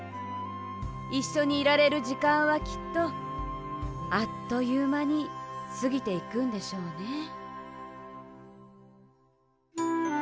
いっしょにいられるじかんはきっとあっというまにすぎていくんでしょうね。